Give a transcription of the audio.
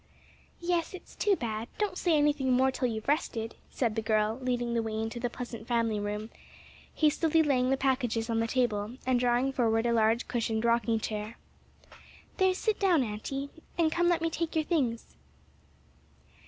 "Yes; it's too bad; don't say anything more till you've rested," said the girl, leading the way into the pleasant family room, hastily laying the packages on the table, and drawing forward a large cushioned rocking chair. "There, sit down, auntie, and let me take your things."